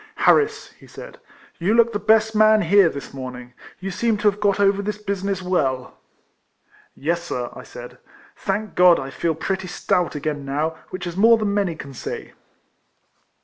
" Harris," he said, " you look the best man here, this morning. You seem to have got over this business well." " Yes, Sir," I said, " thank God I feel pretty stout again now, which is more than many can say."